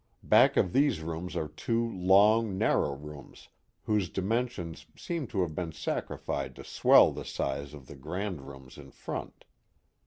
Back of these rooms are two long, narrow rooms whose dimensions seem to have been sacrificed to swell the size of the grand rooms in front.